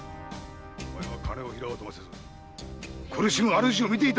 お前は金を拾おうともせず主を見ていた！